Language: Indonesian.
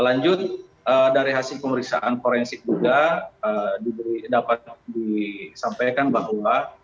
lanjut dari hasil pemeriksaan forensik juga dapat disampaikan bahwa